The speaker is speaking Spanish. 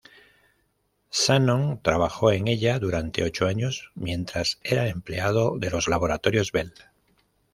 Shannon trabajó en ella durante ocho años, mientras era empleado de los laboratorios Bell.